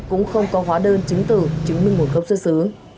cũng không có hóa đơn chứng từ chứng minh nguồn gốc xuất xứ